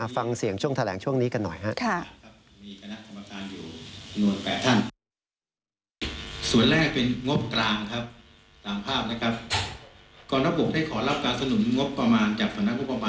ฟังเสียงช่วงแถลงช่วงนี้กันหน่อยครับ